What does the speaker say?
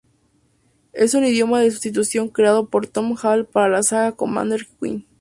Es un idioma de sustitución creado por Tom Hall para la saga "Commander Keen".